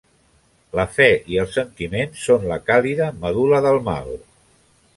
La fe i els sentiments són la càlida medul·la del mal.